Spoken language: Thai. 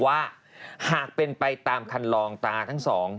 อ่านได้รสชม